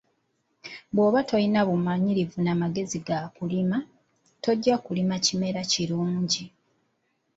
Bw’oba tolina bumanyirivu na magezi ga kulima, tojja kulima kimera kirungi.